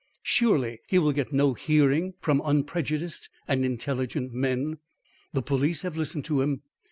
Surely he will get no hearing from unprejudiced and intelligent men." "The police have listened to him.